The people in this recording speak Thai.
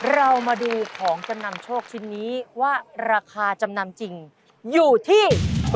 เรามาดูของจำนำโชคชิ้นนี้ว่าราคาจำนำจริงอยู่ที่